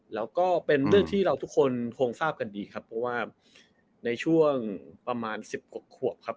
แล้วก็เป็นเรื่องที่เราทุกคนคงทราบกันดีครับเพราะว่าในช่วงประมาณ๑๐กว่าขวบครับ